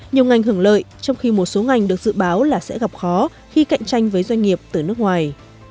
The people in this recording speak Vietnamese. nhiều ngành hưởng lợi trong khi một số ngành được dự báo là sẽ gặp khó khi cạnh tranh với doanh nghiệp từ nước ngoài